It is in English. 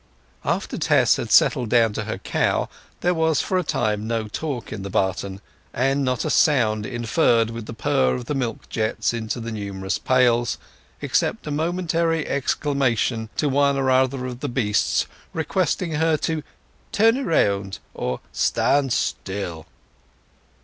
After Tess had settled down to her cow there was for a time no talk in the barton, and not a sound interfered with the purr of the milk jets into the numerous pails, except a momentary exclamation to one or other of the beasts requesting her to turn round or stand still.